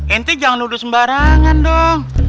inti jangan nuduh sembarangan dong